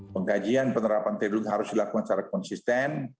pengkajian penerapan teknologi harus dilakukan secara konsisten